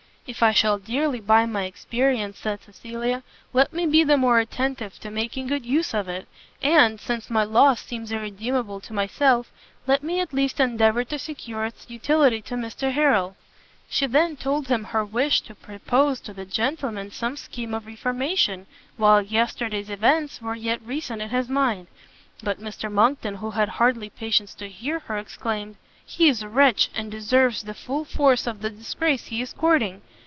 "If I shall dearly buy my experience," said Cecilia, "let me be the more attentive to making good use of it; and, since my loss seems irremediable to myself, let me at least endeavour to secure its utility to Mr Harrel." She then told him her wish to propose to that gentleman some scheme of reformation, while yesterday's events were yet recent in his mind: but Mr Monckton, who had hardly patience to hear her, exclaimed, "He is a wretch, and deserves the full force of the disgrace he is courting.